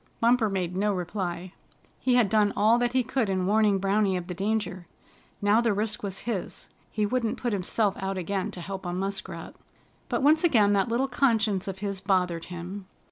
Bumper made no reply. He had done all that he could in warning Browny of the danger. Now the risk was his. He wouldn't put himself out again to help a Muskrat. But once again that little conscience of his bothered him.